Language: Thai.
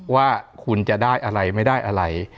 ว่าคุณจะได้อะไรไม่ได้อะไร